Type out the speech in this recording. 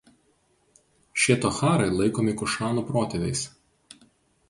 Šie tocharai laikomi kušanų protėviais.